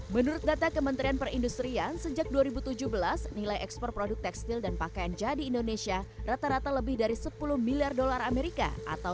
menurut data kementerian perindustrian sejak dua ribu tujuh belas nilai ekspor produk tekstil dan pakaian jadi indonesia rata rata lebih dari sepuluh miliar dolar amerika atau satu ratus lima puluh triliun rupiah per tahun